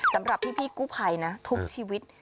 สำหรับพี่กู้ภัยนะทุกชีวิต